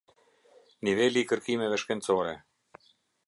Niveli i kërkimeve shkencore.